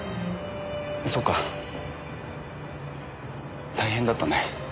そっか大変だったね。